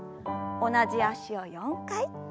同じ脚を４回。